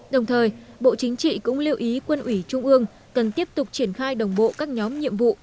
đồng thời bộ chính trị cũng lưu ý quân ủy trung ương cần tiếp tục triển khai đồng bộ các nhóm nhiệm vụ